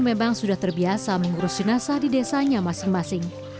memang sudah terbiasa mengurus jenazah di desanya masing masing